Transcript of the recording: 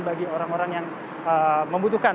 bagi orang orang yang membutuhkan